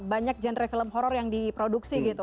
banyak genre film horror yang diproduksi gitu